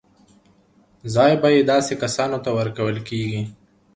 ځای به یې داسې کسانو ته ورکول کېږي.